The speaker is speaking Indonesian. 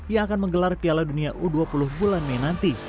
yang akan menggelar piala dunia u dua puluh bulan mei nanti